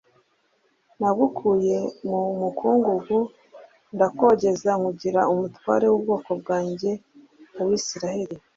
“Nagukuye mu mukungugu ndakogeza nkugira umutware w’ubwoko bwanjye Abisirayeli